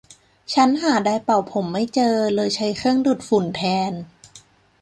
ชั้นหาไดร์เป่าผมไม่เจอเลยใช้เครื่องดูดฝุ่นแทน